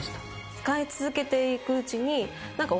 使い続けていくうちに。